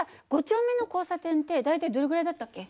５丁目の交差点って大体どれぐらいだったっけ？